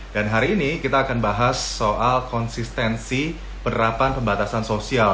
dan hari ini kita akan bahas soal konsistensi penerapan pembatasan sosial